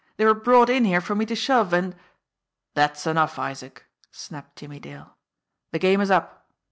They were brought in here for me to shove, and " "That's enough, Isaac !" snapped Jimmie Dale. "The game is up!